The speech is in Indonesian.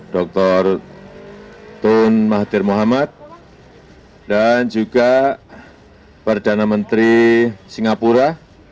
dr tun mahathir muhammad dan juga perdana menteri singapura